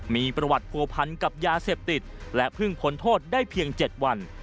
มีประวัติผัวพันกับยาเสพติดและเพิ่งพ้นโทษได้เพียง๗วัน